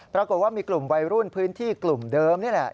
ปรากฏว่ามีกลุ่มวัยรุ่นพื้นที่กลุ่มเดิมนี่แหละ